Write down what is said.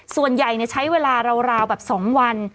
ส่วนใหญ่ใช้เวลาราวแบบ๒วัน